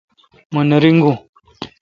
مہ نہ رنگو۔